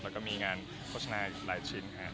แล้วก็มีงานโฆษณาอีกหลายชิ้นครับ